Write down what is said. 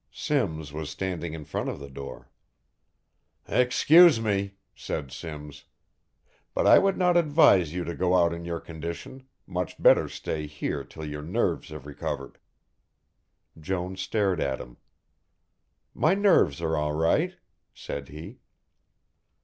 Simms was standing in front of the door. "Excuse me," said Simms, "but I would not advise you to go out in your condition, much better stay here till your nerves have recovered." Jones stared at him. "My nerves are all right," said he.